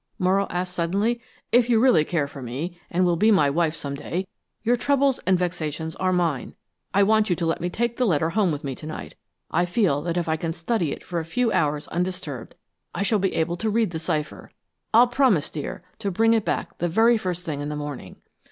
Morrow asked suddenly. "If you really care for me, and will be my wife some day, your troubles and vexations are mine. I want you to let me take the letter home with me to night. I feel that if I can study it for a few hours undisturbed, I shall be able to read the cipher. I'll promise, dear, to bring it back the very first thing in the morning."